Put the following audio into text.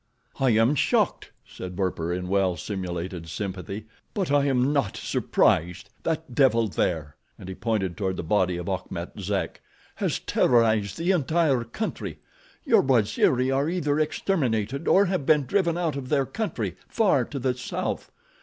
"I am shocked," said Werper, in well simulated sympathy; "but I am not surprised. That devil there," and he pointed toward the body of Achmet Zek, "has terrorized the entire country. Your Waziri are either exterminated, or have been driven out of their country, far to the south.